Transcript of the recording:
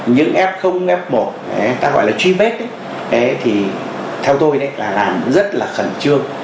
những f f một ta gọi là truy vết theo tôi là làm rất là khẩn trương